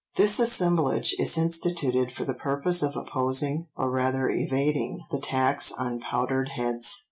This assemblage is instituted for the purpose of opposing, or rather evading, the tax on powdered heads."